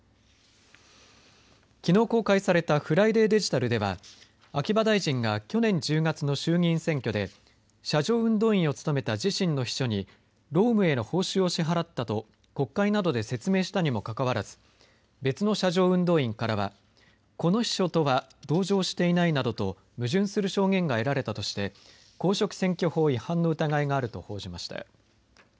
きのう公開されたＦＲＩＤＡＹデジタルでは、秋葉大臣が去年１０月の衆議院選挙で、車上運動員を務めた自身の秘書に、労務への報酬を支払ったと国会などで説明したにもかかわらず、別の車上運動員からは、この秘書とは同乗していないなどと、矛盾する証言が得られたとして、公職選挙法違反の疑いがあると報じました。